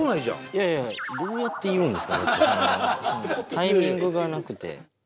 いやいやタイミングがなくて。